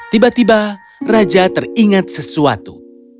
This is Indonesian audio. tiba tiba raja teringat sesuatu